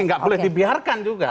nggak boleh dibiarkan juga